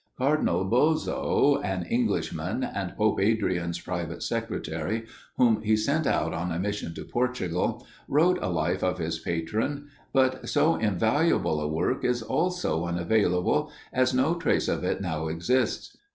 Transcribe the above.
Cardinal Boso, an Englishman, and Pope Adrian's private secretary, whom he sent out on a mission to Portugal, wrote a life of his patron, but so invaluable a work is also unavailable, as no trace of it now exists.